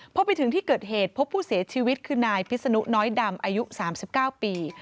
พอไปถึงที่เกิดเหตุพบผู้เสียชีวิตคือนายพิษนุน้อยดำอายุ๓๙ปี